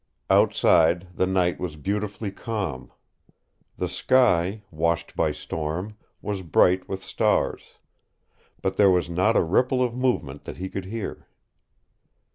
Outside the night was beautifully calm. The sky, washed by storm, was bright with stars. But there was not a ripple of movement that he could hear.